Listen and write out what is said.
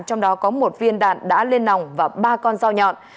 trong đó có một viên đạn đã lên nòng và ba con dao nhọn